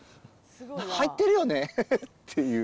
入ってるよねっていう。